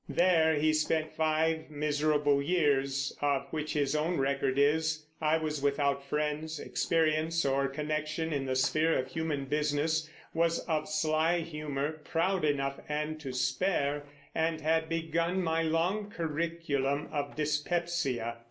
There he spent five miserable years, of which his own record is: "I was without friends, experience, or connection in the sphere of human business, was of sly humor, proud enough and to spare, and had begun my long curriculum of dyspepsia."